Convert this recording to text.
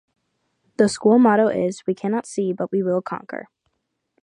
The school motto is: "We cannot see but we will conquer".